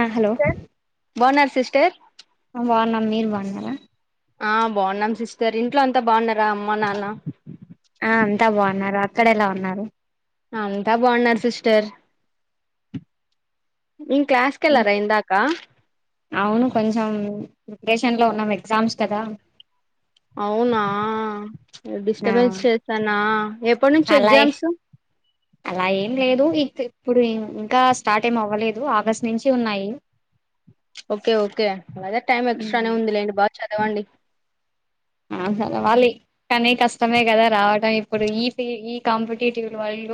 ఆ హలో బావున్నర సిస్టర్ బావున్నాం మీరు బావున్నర ఆ బాగున్నాం సిస్టర్ ఇంట్లో అంతా బాగున్నారా అమ్మ నాన్న అంతా బాగున్నారు అక్కడ ఎలా ఉన్నారు అంతా బాగున్నారు సిస్టర్ ఇంగ్ క్లాస్ కెళ్లారా ఇందాకా ప్రిపేషన్లో ఉన్నాం ఎగ్జామ్స్ కదా అవునా ఆ డిస్టర్బెన్స్ చేసానా ఎప్పటి నుంచి అలా ఎగ్జామ్స్ అలా ఏం లేదు ఇ ఇప్పుడు ఇంకా స్టార్ట్ ఏం అవ్వలేదు ఆగస్టు నుంచి ఉన్నాయి ఓకే ఓకే అలాగే టైమ్ ఎక్స్ట్రానే ఉందిలేండి బా చదవండి ఆ సరే వాళ్ళి కానీ కష్టమే కదా రావాలి ా ఇప్పుడు ఈ ప ఈ కాంపిటీటివ్ వల్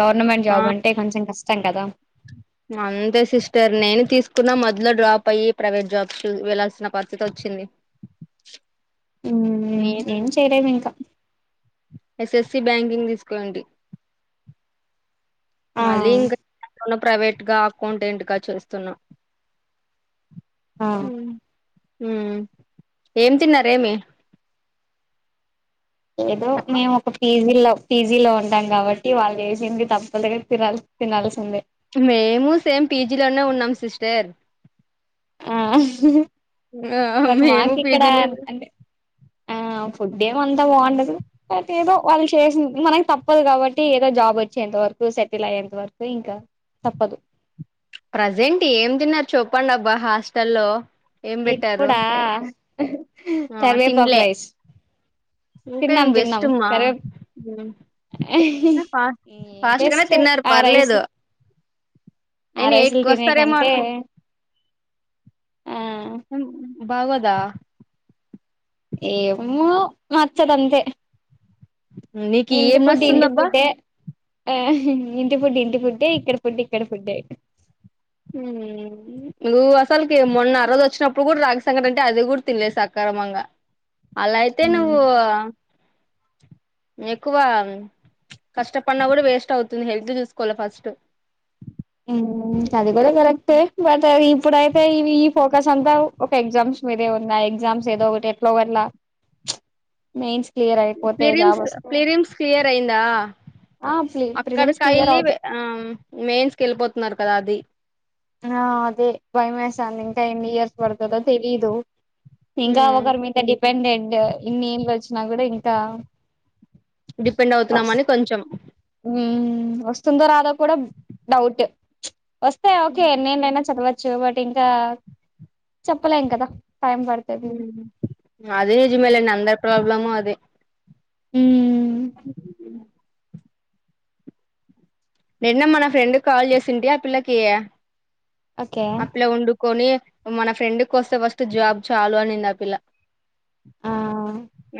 గవర్నమెంట్ ఆ జాబ్ అంటే కొంచెం క స కదా అంతే సిస్టర్ నేను తీసుకున్నా మధలో డ్రాప్ అయ్యి ప్రైవేట్ జాబ్ వెళ్లాల్సిన పద్ధతి వచ్చింది ఏం చేయలే మీంకా ఎస్ఎస్స బ్యాంకింగ్ తీసుకోండి ఆ మలింగ నను ప్రైవేట్ గా అకౌంటెంట్గా చూస్తున్నా ఆ హ ఏం తిన్నారేమి ఏదో మేము ఒక పీజీ లో పీజీలో ఉంటాం కాబట్టి వాళ్ళు చేసేకి తప్పదుగా తినల్ తినాల్సిందే మేము సేమ్ పీజీలోనే ఉన్నాం సిస్టర్ ఆ ఆ బట్ మేము మాకు ఇక్కడ పజినది అంటే ఆ ఫుడ్ ఏమంతా బాగుండదు ఏదో వాళ్ళు చేసి మనకు తప్పదు కాబట్టి ఏదో జాబ్ వచ్చేంత వరకు సెటిల్ అయ్యేంత వరకు ఇంకా తప్పదు ప్రజెంట్ ఏం తిన్నారు చూపడి అబ్బా హాస్టల్లో ఏం ఇది పెట్టారు కూడా ఆ కరివేపాక్ తిన్లే రైస్ ఇంకా ఏం తిన్నాం తిన్నాం బెస్ట్ మా సరే ఫా ఫాస్ట్ గానే బెస్ట్ తిన్నారు ఆ రైస్ పర్లేదు ఆ నేను రైసులు ఎయిట్కి తినే వస్తారేమో కంటే ఆ బాగుదా ఏమో మార్చ్చదంతే నీకు ఏం నస్తుందబ్బా ఆ ఇంటి ఫుడ్ ఇంటి ఫుడ్ ఇక్కడ ఫుడ్ ఇక్కడ ఫుడ్డే నువ్వు అసలుకి మొన్నన్న రోజు వచ్చినప్పుడు కూడా రాగిశకట అంటే అది కూడా తినలేదు సక్రమంగా అలా అయితే నువ్వు ఎక్కువ కష్టపడిన కూడా వేస్ట్ అవుతుంది హెల్త్ చూసుకోవాలి ఫస్ట్ అది కూడార కరక్తే బట్ అది ఇప్పుడైతే ఇ ఈ ఫోకస్ అంతా ఒక ఎగ్జామ్స్ మీదే ఉన్నాయి ఎగ్జామ్స్ ఏదో ఒకటి ఎట్ల ఒకట్లా మెయిన్స్ ఫ్లిరిమ్స్ జాబ్ వస్తే ఫ్లిరిమ్స్ క్లియర్ అయిందా ఆ ప్లి ప్రిలిమ్స్ క్లియర్ అక్కడకయిళ్ళి అవుతా ఆ మెయిన్స్ క వెళ్ళిపోతున్నారు పరాది ఆ అదే బయమేసంది ఇంకా ఎన్ని ఇయర్స్ పడుతదో తెలీదు ఇంకా ఒకరి మీద డిపెండెంట్ ఇన్ని యేండ్లోచిన నాగూడా ఇంకా డిపెండ్ అవుతున్నామని కొంచెం ఊ వస్తుందో రాదా కూడా డౌట్ వస్తే ఓకే నేనైనా చెప్ప చో బట్ ఇంకా చెప్పలేం కదా టైం పడుతది ఊ అదీనిజమేలే నంద ప్రబ్ ఎలమ అదే ఊ నిన్న మన ఫ్రెండ్ కాల్ చేసింటే ఆ పిల్లకి ఓకే అట్లా వండుకొని మన ఫ్రెండుకొస్తే ఫస్ట్ జాబ్ చాలు అనింది ఆ పిల్ల ఆ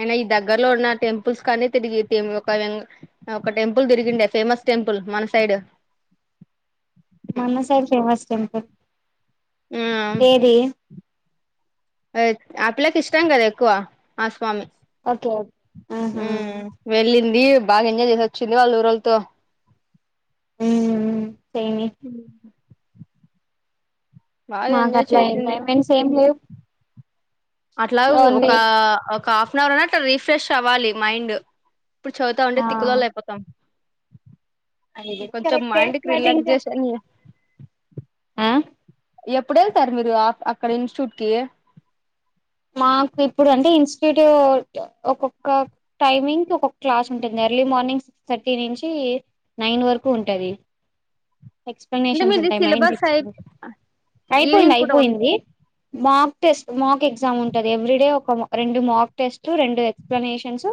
[inaudible] దగ్గర లో ఉన్న టెంపుల్స్ కన్నీ తిరిగితిమ్ ఒక వెంగ ఒక టెంపుల్ తిరిగిండ ఫేమస్ టెంపుల్ మన సైడ్ మన సైడ్ ఫేమస్ టెంపల్ ఆ ఆ ఆలకి ఇష్టం కదా ఎక్కువ ఆ స్వామి ఓకే ఆహా ఇది బాగ ఎంజాయ్ జేసొచ్చుంది వాళ్ళ ఊరొల్తో మ్మ్ సేమే ఉ ఎంజాయ్ మాకట్ల చేసింది ఎంజాయిమెంట్స్ ఏమ్ లేవ్ అట్లావి ఒక ఒక హాఫ్ అన్ అవర్ ఐన అ రీఫ్రెష్ అవ్వాలి మైండ్ ఇప్పుడు చదువుతాంటే ఆ తిక్కులోళ్లు అయిపోతాం అది గూడ కొంచెం కరెక్టే మైండ్ కి బట్ ఇంకా రిలాక్సేషన్ ఎప్పుడెళ్తారు మీరు అ అక్కడ ఇన్స్ట్యూట్ కి మాకు ఇప్పుడు అంటే ఇ త్రీ టూ ఒక్కొక్క టైమింగ్ ఒక్కొక్క క్లాస్ ఉంటుంది ఎర్లీ మార్నింగ్ సిక్స్ థర్టీ నుంచి నైన్ వరకు ఉంటది అంటే ఎక్స్ప్లెనేషన్స్ మీది ఉంటాయి మైండ్స్ సిలబస్ అయి ఎక్స్ప్ అయిపోయింది ఈవినింగ్ పూట ఉం అయిపోయింది మార్క్ టెస్ట్ మార్క్ ఎక్సా ఎగ్జామ్ ఉంటది ఎవ్రీడే ఒక రెండు మార్క్ టెస్ట్ రెండు ఎక్స్ప్లనేషన్స్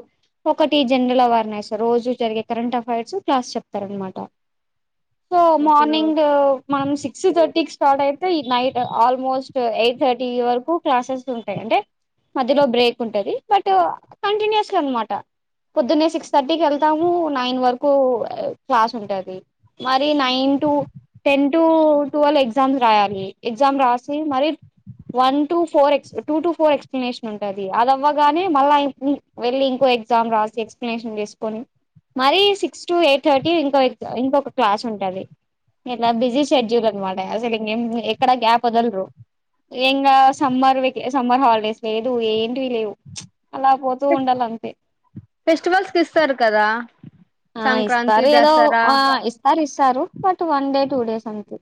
ఒకటి జనరల్ అవర్నైస్ రోజు జరిగే కరెంట్ అఫైర్స్ క్లాస్ చెప్తారు అనమాట సో ఓకే మార్నింగ్ ఓకే మనం సిక్స్ థర్టీ కి స్టార్ట్ అయితే నైట్ ఆల్మోస్ట్ ఎయిట్ థర్టీ వరకు క్లాసెస్ ఉ అంటే మధ్యలో బ్రేక్ ఉంటది బట్ కంటిన్యూస్గా అనమాట పొద్దున్నే సిక్స్ థర్టీకి వెళ్తాము నైన్ వరకు క్లాస్ ఉంటంది మరి nine to ten to twelve exams రాయాలి ఎగ్జామ్ రాసి మరి వన్ టు ఫోర్ ఎస్ప్ టూ టు ఫోర్ ఎక్స్ప్లనేషన్ ఉంటంది అదివ్వగానే మళ్ళీ వెళ్ళి ఇంకో ఎగ్జామ్ రాసి ఎక్స్ప్లనేషన్ చేసుకొని మరీ సిక్స్ టు ఎయిట్ థర్టీ ఇంకో ఇంకొక క్లాస్ ఉంటంది ఇట్లా బిజీ షెడ్యూల్ అనమాట అసలు ఇం ఎక్కడ గ్యాప్ వదలరు ఇం సమ్మర్ అంతే సమ్మర్ హాలిడేస్ లేదు ఏంటి లేవు చ్ ఫెస్టివల్స్ కి ఇస్తారు కదా ఆ సంక్రాంతి ఇస్తారు ఏదో దసరా ఆ ఇస్తారు ఇస్తారు బట్ వన్ ఉండేదే టూ డేస్ అంతే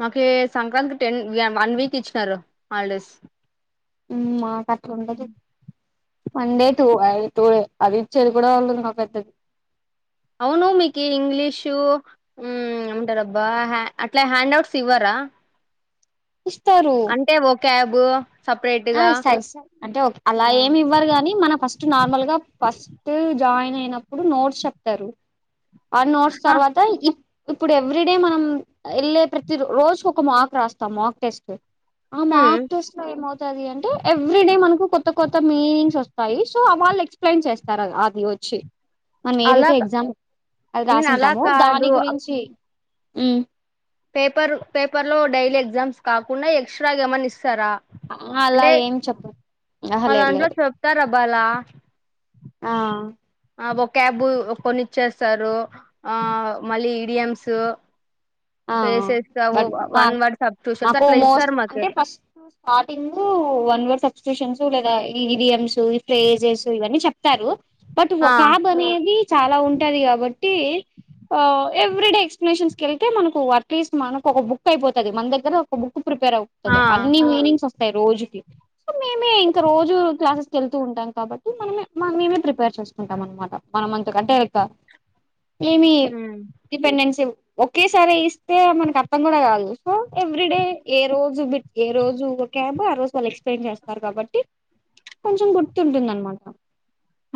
మాకు ఏ సంక్రాంతి టెన్ వన్ వీక్ ఇచ్చినారు హాలిడేస్ ఉ మా పట్లుంటది ఉమ్ వన్ డే టూ అయితే టూ డే అది ఇచ్చేది కూడా వాళ్ళు ఇంగా పెద్దది అవును మీకు ఇంగ్లీషు హు ఏమంటారబ్బా అట్లా హ్యాండ్ అవుట్స్ ఇవ్వరా ఇస్తారు అంటే ఒ క్యాబ్ బువ్వ ఆ ఇస్తా ఇస్తా అంటే అలా ఏమి ఇవ్వరు కాని మనం ఫస్ట్ నార్మల్గా ఫస్ట్ జాయిన్ అయినప్పుడు నోట్స్ చెప్తారు ఆ నోట్స్ ఆ, తర్వాత ఇప్ ఇప్పుడు ఎవ్రీ డే మనం వెళ్ళే ప్రతి రోజు ఒక మాక్ రాస్తాం మాక్ టెస్ట్ ఆ మ్మ్ మార్క్ టెస్ట్ లో ఏమవుతది అంటే ఎవ్రీ డే మనకు కొ కొత్త కొత్త మీనింగ్స్ వస్తాయి సో వాళ్ళు ఎక్స్ప్లెయిన్ చేస్తారు అది వచ్చి మనం అలా ఏదైతే కా- ఎగ్జామ్ అది నేను అలా రాసింటాము దాని కాదు గురించి ఉమ్ పేపర్ పేపర్ లో డైలీ ఎగ్జామ్స్ కాకుండా ఎక్స్ట్రా గ ఏమని ఇస్ సారా అలా అంటే ఏం చెప్ప ఆహా మా లేదు దాంట్లో లేదు చెప్తార అబ్బాలా ఆ ఒక క్యాబు కొన్నిచ్చేస్తారు ఆ మళ్ళీ ఈ డి ఎమ్స్ హా హా బట్ వర్డ్ సబ్స్టిట్యూషన్స్ మాకు అట్లా మోస్ట్ ఇస్తారు మాకి అంటే ఫస్ట్ స్టార్టింగ్ వన్ వర్స్ వచ్చి ట్యూషన్స్ లేదా ఈ ఇడియమ్స్ ప్రేజెస్ ఇవన్నీ చెప్తారు బట్ ఆ ఒకాబనేది చాలా ఉంటది కాబట్టి ఆ ఎవ్రీ డే ఎక్స్ప్లనేషన్స్ కెల్ మనకు అట్లీస్ట్ మనకు ఒక బుక్ అయిపోతది మన దగ్గర ఒక బుక్ ప్రిపేర్వుతు ఆ అన్ని మీనింగ్స్ రోజుకి సో మేమే ఇంకా రోజు క్లాసెస్కి వెళ్తూ ఉంటాం కాబట్టి మనమే మన మేమే ప్రిపేర్ చేసుకుంటాం అనమాట మనం అంతకంటే ఏమి మ్మ్ డిపెండెన్స్ ఒకేసారి ఇస్తే మనకు అర్థం కూడా కాదు సో ఎవ్రీడే ఏ రోజు బిట్ ఏ రోజు ఒక క్యాబ ఆ రోజు వాళ్ళు ఎక్స్ప్లెయిన్ చేస్తారు కాబట్టి కొంచెం గుర్తుంటుంద అనమాట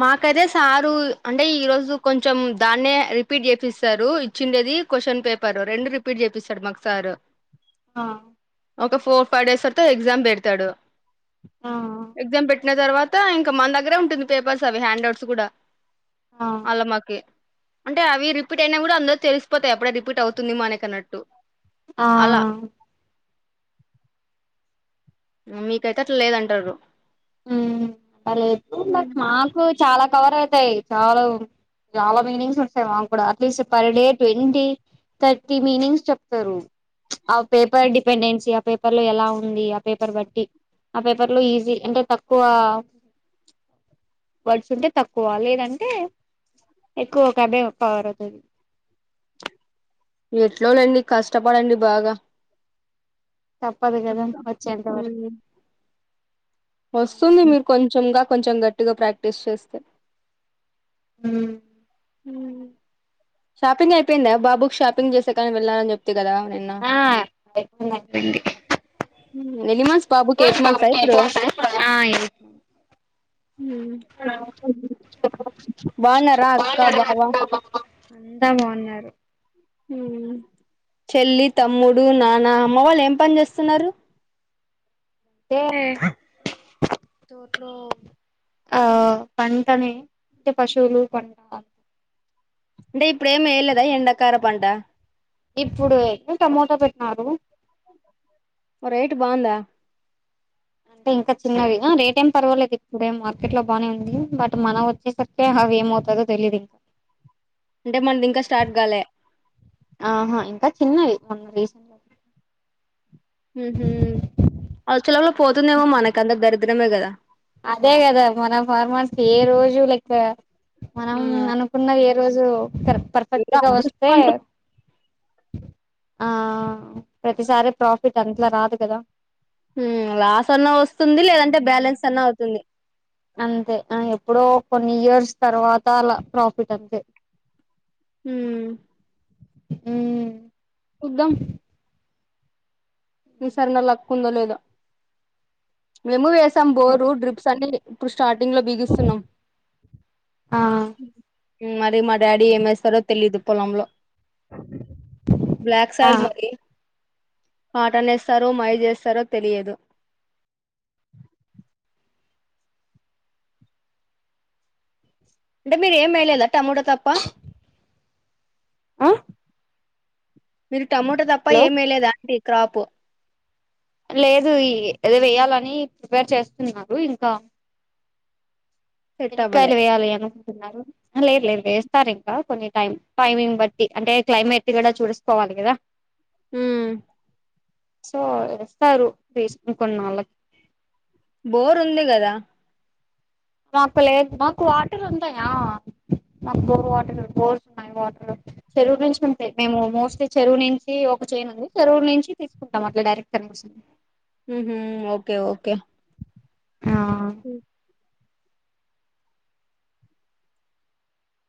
మాకైతే సారు అంటే ఈరోజు కొంచెం దాన్నే రిపీట్ చేపిస్తారు ఇచ్చిండేది క్వశ్చన్ పేపర్ రెండు రిపీట్ చేపిస్తాడు మాకు సారు హా ఒక ఫోర్ ఫైవ్ డేస్ తర్వాత ఎగ్జామ్ పెడతాడు. ఆ ఎగ్జామ్ పెట్టు ట్టిన తర్వాత ఇంకా మన దగ్గరే ఉంటుంది పేపర్స్ అవి హ్యాండ్ అవుట్స్ కూడా. ఆ అలమకి అంటే అవి రిపీట్ అయినా కూడా అందరు తెలిసిపోతాయి అప్పుడె రిపీట్ అవుతుంది మనకు అన్నట్టు. ఆ అలా మీకైతే అట్లా లేదంటారు ఊ పర్లేదు మరి మాకు చాలా కవర్ అవుతాయి చాలా చాలా మీనింగ్స్ వస్తాయి మాకు కూడా at least per day twenty thirty meanings చెప్తారు. ఆ పేపర్ డిపెండెన్సీ ఆ పేపర్ లో ఎలా ఉంది ఆ పేపర్ బట్టి ఆ పేపర్ లో ఈజీ అంటే తక్కువ వర్డ్స్ ఉంటే తక్కువ లేదంటే ఎక్కువ కబే కవర్ అవుతుంది. ఎట్లోలెండి కష్టపడండి బాగా తప్పదు కదా వచ్చేంత వరకు వస్తుంది మీకు కొంచంగా కొంచెం గట్టిగా ప్రాక్టీస్ చేస్తే హ్మ్ హూ షాపింగ్ అయిపోయిందా బాబుకి షాపింగ్ చేసే కాని వెళ్ళానని చెప్తే జరా నిన్న ఆ అయిపోయిందండి ఎన్ని మంత్స్ బాబుకి ఇప్పుడు ఎయిట్ మంత్స్ ఆ ఇప్పుడు ఆ బాగున్నారా బావ అంతా బాగున్నారు ఊ చెల్లి తమ్ముడు నాన్న అమ్మ వాళ్ళు ఏం పని చేస్తున్నారు. అంటే తోట్లో ఆ పంటని అంటే పశువులు పంట అంటే ఇప్పుడేం వెయ్యలేదా ఎండ కార పంట ఇప్పుడు ఏ టమోటా పెట్టినారు ఒ రైట్ బాగుందా అంటే ఇంకా చిన్నవిగా రేట్ ఏం పర్వాలేదు ఇప్ ఇప్పుడే మార్కెట్ లో బానే ఉంది బట్ మనం వచ్చేసరికి అవి ఏమవుతదో తెలీయదు ఇంకా. అంటే మనది ఇంకా స్టార్ట్ కాలే ఆహా ఇంకా చిన్నవి మొన్న రీసెంట్ గా [unintelligible] ఊ హు ఆ సెలవుల్లో పోతుందేమో మనకి అంత దరిద్రం. [unintelligible] మే కదా అదే కదా మన ఫార్మ ఏ రోజు లెక్క మనం అనుకున్నఏ రోజు కర్ ఏదో పర్ఫెక్ట్గా వస్తే అదృష్టవంతు ఆ ప్రతిసారి ప్రాఫిట్ అంతలా రాదు కదా మ్మ్ లాస్ అన్నా వస్తుంది లేదంటే బ్యాలెన్స్ అన్నా అవుతుంది అంతే ఆ ఎప్పుడో కొన్ని ఇయర్స్ తర్వాత అలా ప్రాఫిట్ అంతే మ్మ్ మ్మ్ చూద్దాం ఈ సారన్న లక్ కుందలేదా మేము వేస్ తం బోరు డ్రిప్స్ అన్నీ ట్రుష్ స్టార్టింగ్ లో బిగిస్తున్నాం ఆ మ్మ్ మరి మా డాడీ ఏమేస్తారో తెలీదు పొలంలో బ్లాక్ ఆ సయిల్ మరి పాటనేస్తారో మాయ జేస్తారో తెలియదు అంటే మీరేం వెేయలేదా టమోటా తప్ప ఆ మిల్ టమోటో దప్పా హలో ఏమేయ లేదా అండి క్రాపు లేదు ఈ ఎదో వేయాలని ప్రిపేర్ చేస్తున్నారు ఇంకా సెట్ అవ్వలే చెనిక్కాయలు వేయాలి ఎనం లేర్ లేద్ వేస్తారింకా కొన్ని టైం టైమింగ్ బట్టి అంటే క్లైమేట్ కూడా చూసుకోవాలి కదా మ్మ్ సో ఎస్తారు పేస్ ఇంకొన్నాలక్ బోర్ ఉంది కదా మాకు లేదు మాకు వాటర్ ఉంటాయా మాకు బోర్ వాటర్ బోర్స్ ఉన్నాయి వాటరు చెరువు నుంచి వుంటై మేము మోస్ట్లీ చెరువు నుంచి ఒక చేనుంది చెరువు నుంచి తీసుకుంటాం అట్లా డైరెక్ట్ కనెక్షన్స్ మ్మ్ హు ఓకే ఓకే ఆ